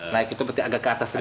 naik itu berarti agak ke atas